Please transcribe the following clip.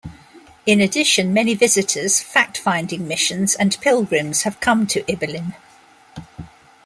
In addition, many visitors, fact-finding missions, and pilgrims have come to Ibillin.